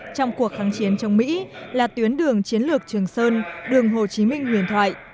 trong cuộc kháng chiến trong mỹ là tuyến đường chiến lược trường sơn đường hồ chí minh huyền thoại